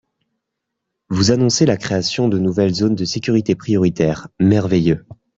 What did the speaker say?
Vous annoncez la création de nouvelles zones de sécurité prioritaire, merveilleux